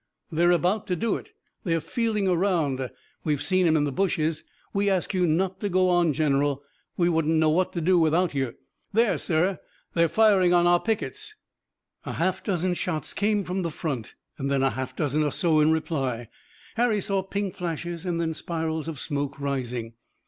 "They're about to do it. They're feeling around. We've seen 'em in the bushes. We ask you not to go on, General. We wouldn't know what to do without you. There, sir! They're firing on our pickets!" A half dozen shots came from the front, and then a half dozen or so in reply. Harry saw pink flashes, and then spirals of smoke rising.